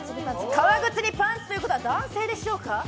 革靴にパンツということは男性でしょうか？